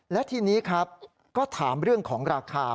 และทีนี้ครับก็ถามเรื่องของราคา